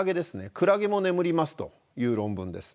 クラゲも眠りますという論文です。